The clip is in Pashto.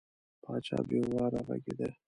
پاچا بې واره غږېده.